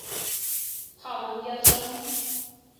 Һаман яҙышаһыңмы?